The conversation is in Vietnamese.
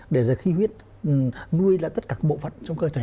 để ra khí huyết nuôi lại tất cả các bộ phận trong cơ thể